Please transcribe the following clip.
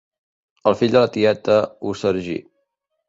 El fill de la tieta ho sargí.